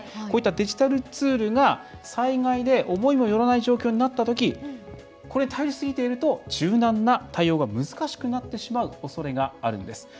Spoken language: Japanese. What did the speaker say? こういったデジタルツールが災害で思いも寄らない状況になったとき、頼りすぎていると柔軟な対応が難しくなってしまうおそれがあるんです。